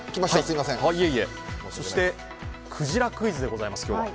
クジラクイズでございます。